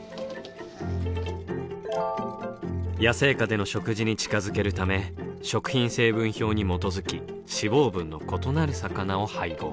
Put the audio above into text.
野生下での食事に近づけるため食品成分表に基づき脂肪分の異なる魚を配合。